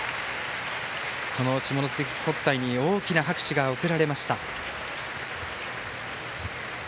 下関国際に大きな拍手が送られました。